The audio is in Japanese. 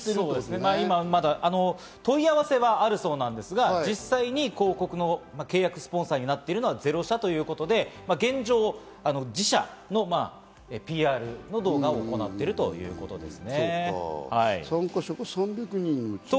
今、問い合わせはあるそうなんですが、実際に広告の契約スポンサーになっているのは０社ということで、現状、自社のＰＲの部分を行っているということです。